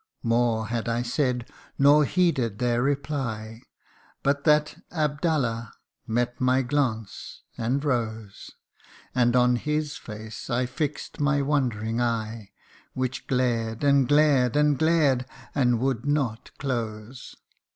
More had I said, nor heeded their reply, But that Abdallah met my glance, and rose ; And on his face I fix'd my wandering eye, Which glared, and glared, and glared, and would not close.